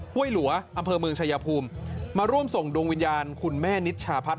้วยหลัวอำเภอเมืองชายภูมิมาร่วมส่งดวงวิญญาณคุณแม่นิชชาพัฒน